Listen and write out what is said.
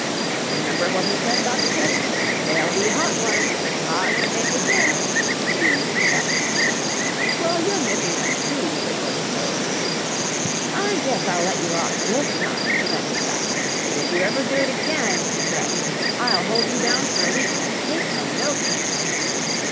"Remember what he said about the cakes. They'll be hot ones with lots of maple syrup," teased Chuck. "Well, you're missing them, too," retorted Toad. "I guess I'll let you off this time," relented Chuck, "but if you ever do it again," he threatened, "I'll hold you down for a week, cakes or no cakes."